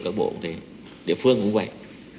các bộ cũng thế địa phương cũng vậy